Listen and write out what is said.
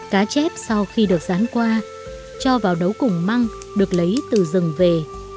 cá chép sau khi được rán qua cho vào đấu củng măng được lấy từ rừng về